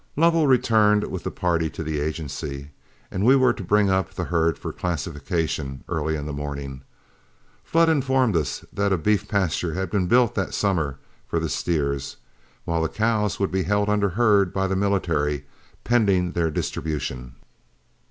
Lovell returned with the party to the agency, and we were to bring up the herd for classification early in the morning. Flood informed us that a beef pasture had been built that summer for the steers, while the cows would be held under herd by the military, pending their distribution.